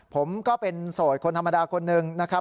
ผมก็เป็นโสดคนธรรมดาคนหนึ่งนะครับ